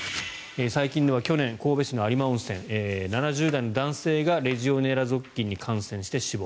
最近では去年神戸市の有馬温泉７０代の男性がレジオネラ属菌に感染して死亡。